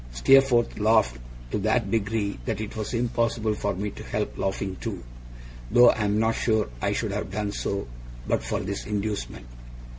Steerforth laughed to that degree, that it was impossible for me to help laughing too; though I am not sure I should have done so, but for this inducement.